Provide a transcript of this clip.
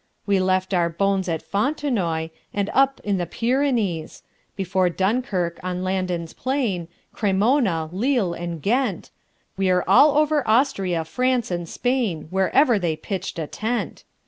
We left our bones at Fontenoy, And up in the Pyrenees, Before Dunkirk, on Landen's plain, Cremona, Lille, and Ghent, We're all over Austria, France, and Spain, Wherever they pitched a tent.